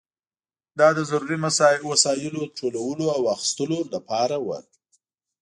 دا د ضروري وسایلو ټولولو او اخیستلو لپاره وه.